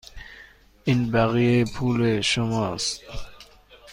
این بقیه پول شما است.